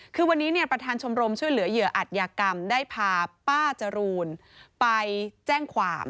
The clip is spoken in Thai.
คือวันนี้ประธานชมรมช่วยเหลือเหยื่ออัตยากรรมได้พาป้าจรูนไปแจ้งความ